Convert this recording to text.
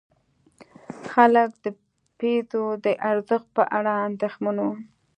خلک د پیزو د ارزښت په اړه اندېښمن وو.